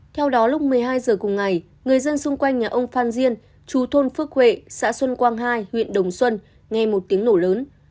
theo đó lúc một mươi hai giờ cùng ngày người dân xung quanh nhà ông phan diên chú thôn phước huệ xã xuân quang hai huyện đồng xuân nghe một tiếng nổ lớn